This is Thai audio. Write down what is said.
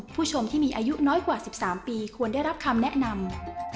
ผู้ชมที่มีอายุน้อยกว่า๑๓ปีควรได้รับคำแนะนำ